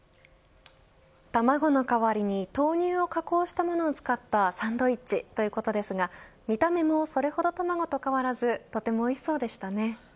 卵の代わりに豆乳を加工したものを使ったサンドイッチということですが見た目もそれほど卵と変わらずとてもおいしそうでしたね。